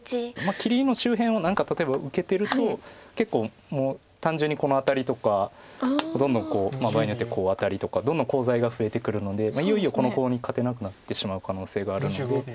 切りの周辺は何か例えば受けてると結構もう単純にこのアタリとかどんどん場合によってはワタリとかどんどんコウ材が増えてくるのでいよいよこのコウに勝てなくなってしまう可能性があるので。